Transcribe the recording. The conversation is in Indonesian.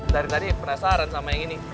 dari tadi penasaran sama yang ini